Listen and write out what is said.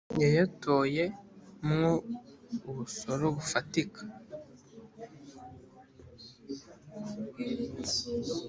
yayatoye mwo ubusoro bufatika